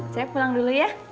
saya pulang dulu ya